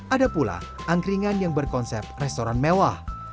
ada pula angkringan yang berkonsep restoran mewah